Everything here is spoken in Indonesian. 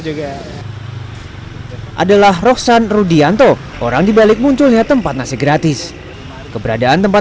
juga adalah rohsan rudianto orang dibalik munculnya tempat nasi gratis keberadaan tempat